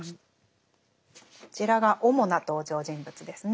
こちらが主な登場人物ですね。